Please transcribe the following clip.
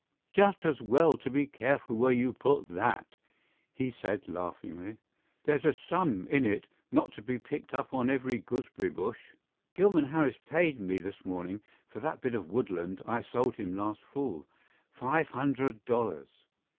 "Just as well to be careful where you put that," he said laughingly. "There's a sum in it not to be picked up on every gooseberry bush. Gilman Harris paid me this morning for that bit of woodland I sold him last fall—five hundred dollars.